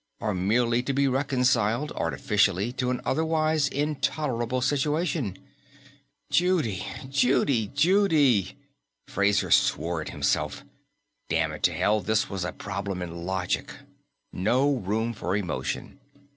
Or merely to be reconciled, artificially, to an otherwise intolerable situation? Judy, Judy, Judy! Fraser swore at himself. Damn it to hell, this was a problem in logic. No room for emotion.